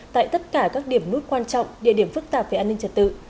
tại tất cả các điểm nút quan trọng địa điểm phức tạp về an ninh trật tự